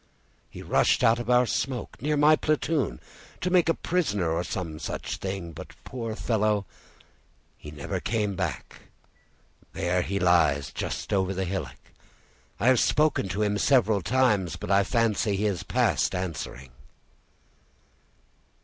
He rushed out of our smoke, near my platoon, to make a prisoner or some such thing, but, poor fellow, he never came back; there he lies just over the hillock. I have spoken to him several times, but I fancy he is past answering."